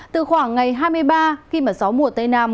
từ khoảng ngày hai mươi ba khi mà gió mùa tây nam